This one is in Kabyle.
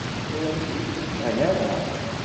Ur am-tt-id-ǧǧan ara.